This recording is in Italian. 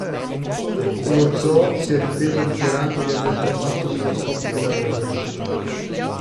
Lo zoo si è difeso dichiarando di averlo fatto solo a scopi pedagogici.